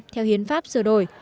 theo hiến pháp sửa đổi